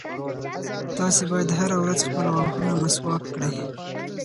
تاسي باید هره ورځ خپل غاښونه مسواک کړئ.